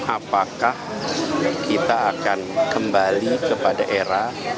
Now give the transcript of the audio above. apakah kita akan kembali kepada era